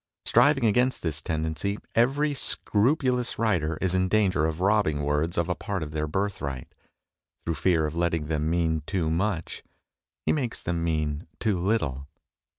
Striving against this tendency, every scrupu lous writer is in danger of robbing words of a part of their birthright : through fear of letting them mean too much he makes them mean too little.